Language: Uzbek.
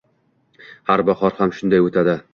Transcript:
Har bahor ham shunday o’tadi